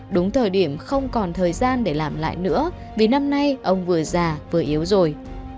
đúng thời điểm không còn thời gian để làm lại nữa vì năm nay ông vừa già vừa yếu rồi